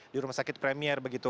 di rumah sakit premier begitu